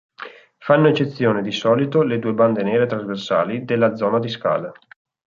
Fanno eccezione di solito le due bande nere trasversali della zona discale.